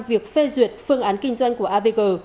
việc phê duyệt phương án kinh doanh của avg